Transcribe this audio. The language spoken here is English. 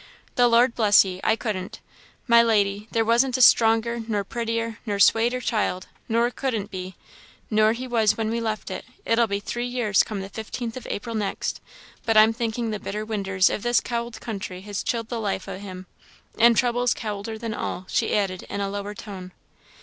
"The Lord bless ye! I couldn't. My lady, there wasn't a stronger, nor a prettier, nor a swater child, nor couldn't be, nor he was when we left it it'll be three years come the fifteenth of April next; but I'm thinking the bitter winters of this cowld country has chilled the life o' him and troubles cowlder than all," she added, in a lower tone.